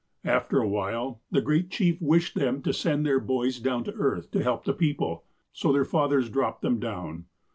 "After a while, the Great Chief wished them to send their boys down to earth to help the people. So their fathers dropped them down.